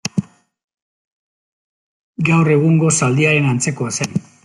Gaur egungo zaldiaren antzekoa zen.